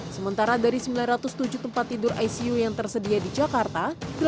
sementara dari sembilan ratus tujuh tempat tidur icu yang tersedia di jakarta